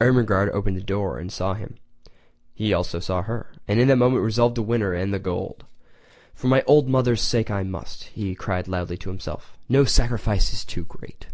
Ermengarde opened the door and saw him. He also saw her, and in that moment resolved to win her and the gold. "For my old mother's sake I must"—he cried loudly to himself. "No sacrifice is too great!"